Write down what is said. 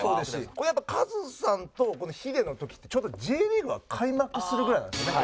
これやっぱカズさんとこのヒデの時ってちょうどＪリーグが開幕するぐらいなんですね。